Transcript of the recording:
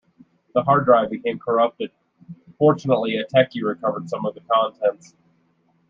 The hard drive became corrupted, fortunately, a techie recovered some of the contents.